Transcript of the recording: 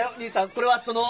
これはその。